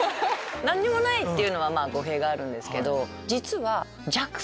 何もないっていうのは語弊があるんですけど実は。